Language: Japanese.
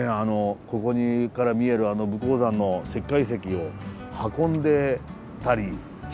ここから見えるあの武甲山の石灰石を運んでたり人を運んでたり。